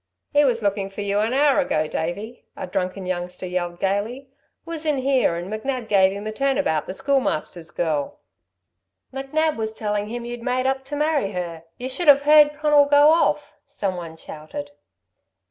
"He was looking for you an hour ago, Davey," a drunken youngster yelled gaily. "Was in here, 'n McNab gave him a turn about the Schoolmaster's girl " "McNab was tellin' him you'd made up to marry her. You should have heard Conal go off," somebody shouted.